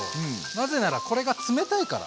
なぜならこれが冷たいから。